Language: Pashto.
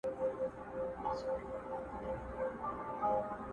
چي لاپي مو د تورو او جرګو ورته کولې؛